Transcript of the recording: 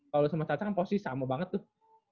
kalau sama caca kan posisi sama banget tuh